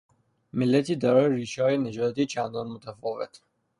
ملتی دارای ریشههای نژادی چنان متفاوت